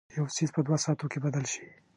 یو څیز په یوه ساعت کې بدل شي.